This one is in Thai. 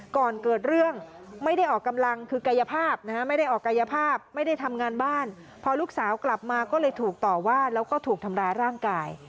ก่อนเกิดเรื่องไม่ได้ออกกำลังคือกายภาพนะฮะไม่ได้ออกกายภาพไม่ได้ทำงานบ้านพอลูกสาวกลับมาก็เลยถูกต่อว่าแล้วก็ถูกทำร้ายร่างกาย